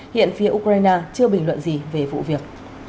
hiện phía ukraine chưa bình luận gì về vụ việc